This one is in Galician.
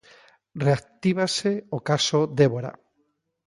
Reactívase o caso Déborah.